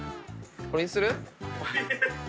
これにする？